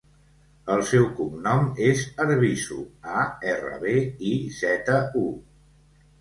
El seu cognom és Arbizu: a, erra, be, i, zeta, u.